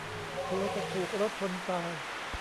กลัวจะถูกรถชนตาย